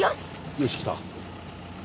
よし来た。